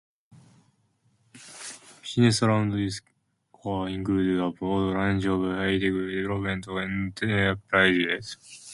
Businesses around this core include a broad range of high-tech development enterprises.